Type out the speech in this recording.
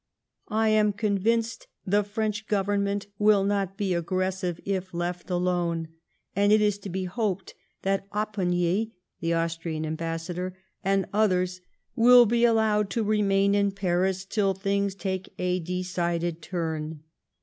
I am con vinced the French Government will not be aggressive if left alone; and it is to be hoped that Apponyi (the Austrian ambassador) and others will be allowed to re main in Paris till things take a decided turn.